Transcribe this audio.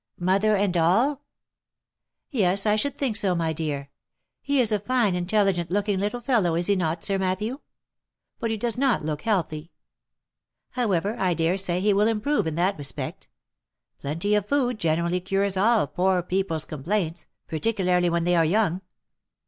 mother and all?" " Yes, I should think so, my dear. He is a fine intelligent look ing little fellow, is he not, Sir Matthew ? But he does not look healthy. However, I dare say he will improve in that respect. Plenty of food generally cures all poor people's complaints, par ticularly when they are young.